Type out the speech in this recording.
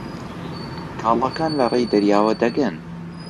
کاڵاکان لەڕێی دەریاوە دەگەن.